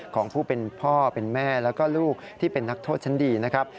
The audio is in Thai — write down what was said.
ของผู้เป็นพ่อเป็นแม่แล้วก็ลูกที่เป็นนักโทษชั้นดีนะครับ